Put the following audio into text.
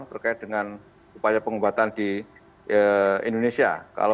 terkait dengan upaya pengobatan di indonesia